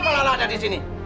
kenapa lala ada disini